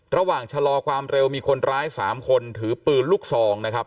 ระหว่างชะลอความเร็วมีคนร้าย๓คนถือปืนลูกซองนะครับ